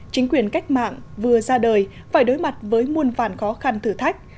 chính quyền cách mạng vừa ra đời phải đối mặt với muôn vàn khó khăn thử thách